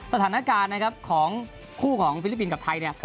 สถานการณ์นะครับของคู่ของฟิลิปปินส์กับไทยเนี่ย